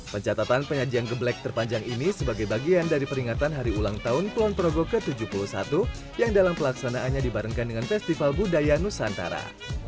pencatatan penyajian geblek terpanjang ini sebagai bagian dari peringatan hari ulang tahun kulon progo ke tujuh puluh satu yang dalam pelaksanaannya dibarengkan dengan festival budaya nusantara